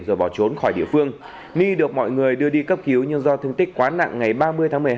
rồi bỏ trốn khỏi địa phương ni được mọi người đưa đi cấp cứu nhưng do thương tích quá nặng ngày ba mươi tháng một mươi hai